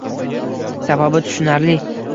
Sababi tushunarli